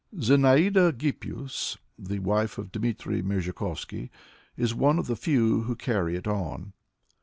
Zinaida Hippius, the wife of Dmitry Merezhkovsky, is one of the few who carry it on.